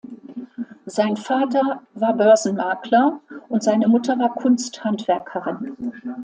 Sein Vater war Börsenmakler und seine Mutter war Kunsthandwerkerin.